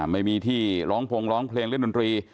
ไม่มีที่ร้องพงร้องเพลงเล่นดนตรี